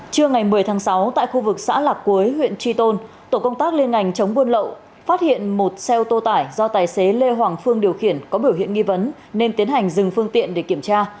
trưa ngày một mươi tháng sáu tại khu vực xã lạc cuối huyện tri tôn tổ công tác liên ngành chống buôn lậu phát hiện một xe ô tô tải do tài xế lê hoàng phương điều khiển có biểu hiện nghi vấn nên tiến hành dừng phương tiện để kiểm tra